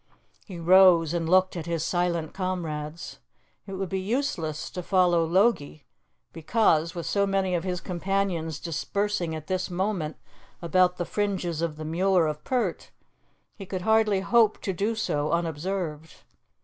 He rose and looked at his silent comrades. It would be useless to follow Logie, because, with so many of his companions dispersing at this moment about the fringes of the Muir of Pert, he could hardly hope to do so unobserved.